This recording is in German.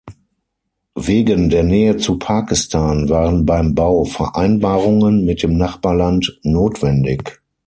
Wegen der Nähe zu Pakistan waren beim Bau Vereinbarungen mit dem Nachbarland notwendig.